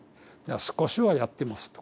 少しはやってますと。